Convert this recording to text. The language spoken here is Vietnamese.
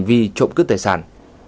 hành vi trộm cướp tài sản